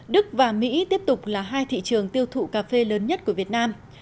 đức và mỹ tiếp tục là hai thị trường tiêu thụ cà phê lớn nhất của việt nam